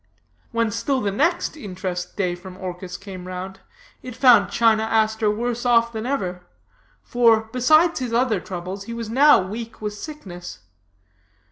When still the next interest day for Orchis came round, it found China Aster worse off than ever; for, besides his other troubles, he was now weak with sickness.